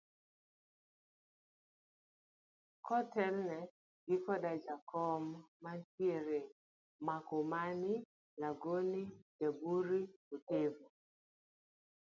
Kotelne gi koda jakom mantie Mkomani, Langoni, Bajuri, potovu.